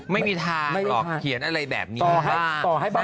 ไม่มีทางหรอกเขียนอะไรแบบนี้